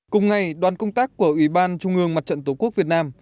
cùng ngày đoàn công tác của ủy ban trung ương mặt trận tổ quốc việt nam